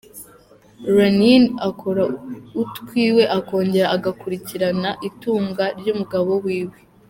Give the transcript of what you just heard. Raneen akora utwiwe akongera agakurikirana itunga ry'umuryango wiwe.